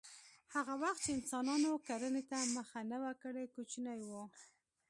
هغه وخت چې انسانانو کرنې ته مخه نه وه کړې کوچني وو